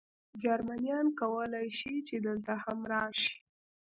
جرمنیان کولای شي، چې دلته هم راشي.